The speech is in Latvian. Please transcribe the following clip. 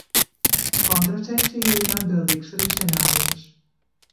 Kontracepcija ir atbildīgs risinājums.